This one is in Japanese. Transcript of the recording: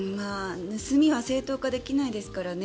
盗みは正当化できないですからね。